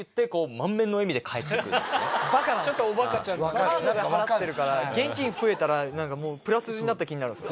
カードで払ってるから現金増えたらプラスになった気になるんですよ。